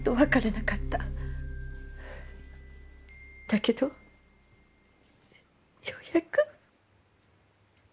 だけどようやく。